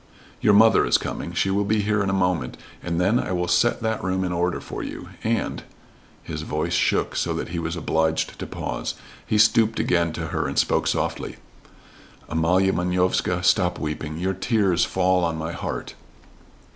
"Your mother is coming. She will be here in a moment and then I will set that room in order for you, and " his voice shook so that he was obliged to pause. He stooped again to her and spoke softly: "Amalia Manovska, stop weeping. Your tears fall on my heart."